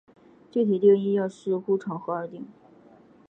具体定义要视乎场合而定。